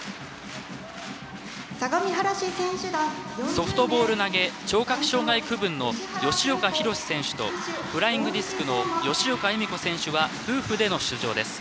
ソフトボール投げ聴覚障害区分の葭岡博司選手とフライングディスクの葭岡栄美子選手は夫婦での出場です。